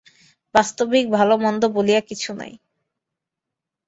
বাস্তবিক ভাল-মন্দ বলিয়া কিছু নাই।